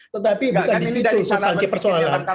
tetapi bukan disitu substansi persoalan